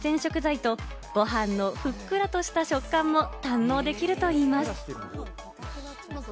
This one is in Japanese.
自然解凍で新鮮な海鮮食材とご飯のふっくらとした食感も堪能できるといいます。